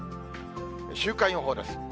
週間予報です。